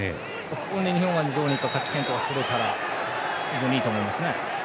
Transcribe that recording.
日本はどうにか勝ち点を取れたら非常にいいと思いますね。